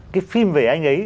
cái phim về anh ấy